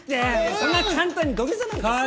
そんな簡単に土下座なんかするな。